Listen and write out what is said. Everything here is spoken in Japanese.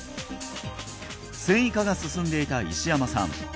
線維化が進んでいた石山さん